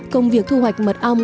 công việc thu hoạch mật ong